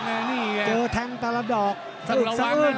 เจอแทงตลาดอกตึกซื้น